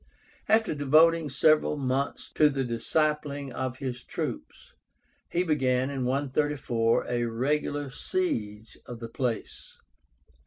After devoting several months to the disciplining of his troops, he began (134) a regular siege of the place.